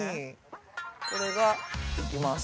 これがいきます。